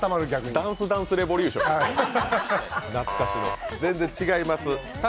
ダンスダンスレボリューションやん違います